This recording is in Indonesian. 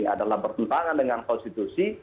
adalah bertentangan dengan konstitusi